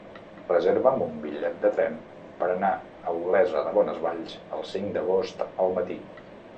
Reserva'm un bitllet de tren per anar a Olesa de Bonesvalls el cinc d'agost al matí.